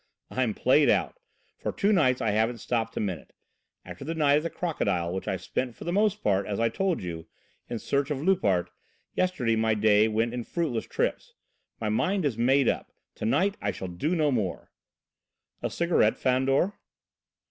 "I'm played out! For two days I haven't stopped a minute. After the night at the "Crocodile," which I spent for the most part, as I told you, in search of Loupart, yesterday my day went in fruitless trips; my mind is made up; to night I shall do no more!" "A cigarette, Fandor?"